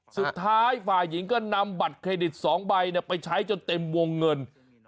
สุดท้ายฝ่ายหญิงก็นำบัตรเครดิต๒ใบไปใช้จนเต็มวงเงิน